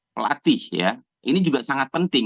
pelatih ya ini juga sangat penting